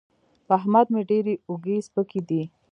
په احمد مې ډېرې اوږې سپکې دي.